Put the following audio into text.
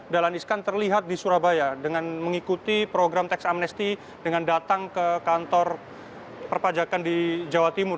dahlan iskan terlihat di surabaya dengan mengikuti program teks amnesti dengan datang ke kantor perpajakan di jawa timur